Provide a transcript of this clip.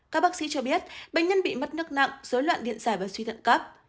các bác sĩ cho biết bệnh nhân bị mất nước nặng dối loạn điện dài và suy thận cấp